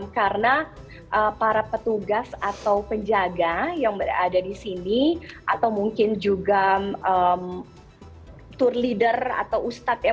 karena para petugas atau penjaga yang ada disini atau mungkin juga tour leader atau ustadz ya